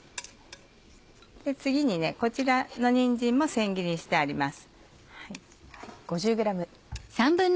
次にこちらのにんじんもせん切りにしてあります。